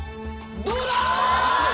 どうだ